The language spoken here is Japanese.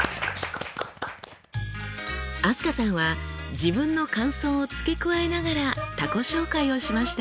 飛鳥さんは自分の感想を付け加えながら他己紹介をしました。